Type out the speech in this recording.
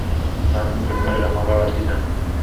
د پوهنتون کلمه ډېره خوږه او اصلي ده.